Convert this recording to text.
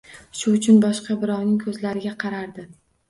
Shu uchun, boshqa birovning ko’zlariga qarardi.